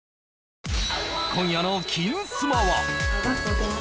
今夜の金スマは！